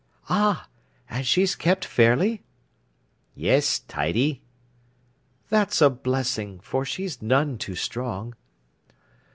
"Ah! And she's kept fairly?" "Yes, tidy." "That's a blessing, for she's none too strong."